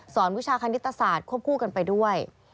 วิชาคณิตศาสตร์ควบคู่กันไปด้วย